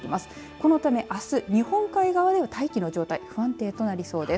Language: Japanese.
このため、あす日本海側では大気の状態不安定となりそうです。